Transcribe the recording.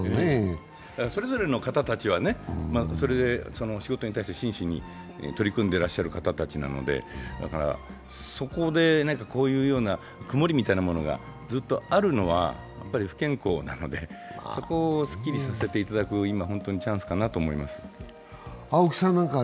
それぞれの方たちは、それでお仕事に対して真摯に取り組んでいらっしゃる方たちなので、だからそこでなんかこういうような曇りみたいなものがずっとあるのは、やっぱり不健康なので、そこをすっきりさせていただく今本当にチャンスかなと思います。